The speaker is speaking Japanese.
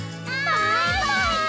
バイバイち！